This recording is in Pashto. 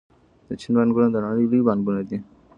د چین بانکونه د نړۍ لوی بانکونه دي.